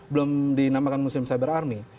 belum dinamakan muslim cyber army